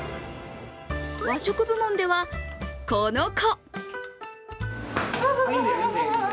和食部門では、この子。